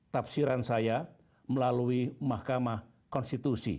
tafsiran saya melalui mahkamah konstitusi